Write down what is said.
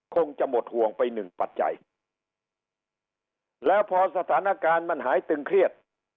คงจะหมดห่วงไปหนึ่งปัจจัยแล้วพอสถานการณ์มันหายตึงเครียด